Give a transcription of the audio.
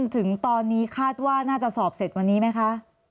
ถึงตอนนี้คาดว่าน่าจะสอบเสร็จวันนี้ไหมคะ